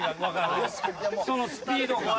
そのスピード感が。